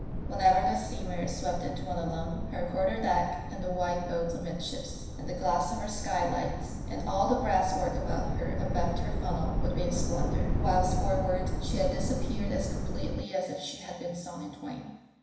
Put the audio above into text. Whenever the steamer swept into one of them her quarter deck, and the white boats amidships, and the glass of her skylights and all the brass work about her abaft her funnel, would be in splendour, whilst forward she had disappeared as completely as if she had been sawn in twain.